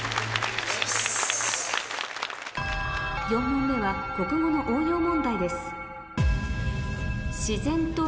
４問目は国語の応用問題です